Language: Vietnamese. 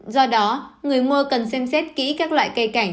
do đó người mua cần xem xét kỹ các loại cây cảnh